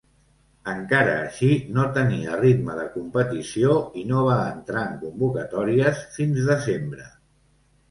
Encara així no tenia ritme de competició i no va entrar en convocatòries fins desembre.